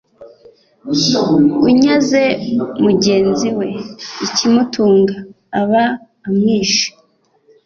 Unyaze mugenzi we ikimutunga, aba amwishe,